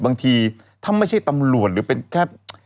บางทีถ้าไม่ใช่ตำรวจหรือเป็นแค่